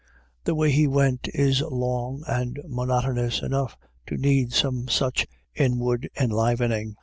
! The way he went is long and monotonous enough to need some such inward enlivening.